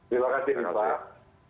terima kasih juga pak